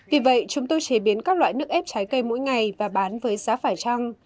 vì vậy chúng tôi chế biến các loại nước ép trái cây mỗi ngày và bán với giá phải trăng